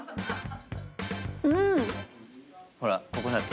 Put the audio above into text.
うん！ほらっ。